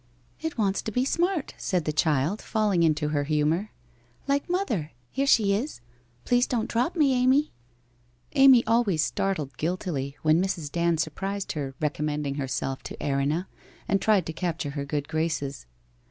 ' It wants to be smart! ' said the child, falling into her humour. ' Like mother. Here she is ! Please don't drop me, Amy.' Amy always started guiltily when Mrs. Dand sur prised her recommending herself to Erinna, and trying to capture her good graces.